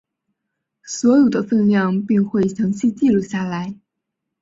所得的份量并会详细记录下来。